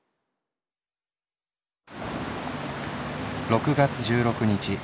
「６月１６日。